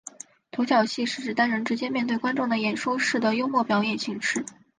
独角戏是指单人直接面对观众的演说式的幽默表演形式。